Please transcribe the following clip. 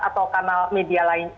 atau kanal media lainnya